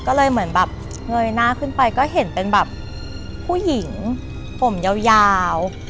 ก็เลยเหมือนแบบเงยหน้าขึ้นไปก็เห็นเป็นแบบผู้หญิงผมยาว